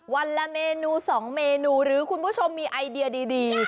วันละเมนู๒เมนูหรือคุณผู้ชมมีไอเดียดี